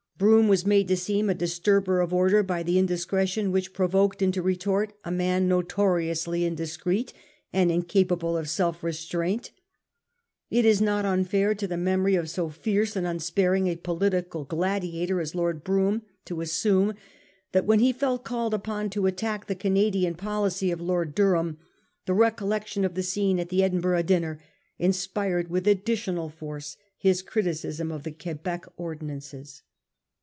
Brougham was made to seem a disturber of order by the indiscretion which provoked into retort a man notoriously indiscreet and incapable of self restraint It is not unfair to the memory of so fierce and un sparing a political gladiator as Lord Brougham, to assume that when he felt called upon to attack the Canadian policy of Lord Durham, the recollection of the scene at the Edinburgh dinner inspired with addi tional force his criticism of the Quebec ordinances.